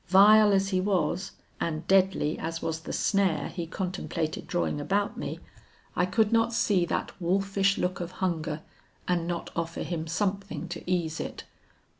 Vile as he was, and deadly as was the snare he contemplated drawing about me, I could not see that wolfish look of hunger, and not offer him something to ease it.